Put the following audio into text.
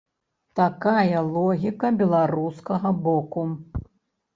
Такая логіка беларускага боку.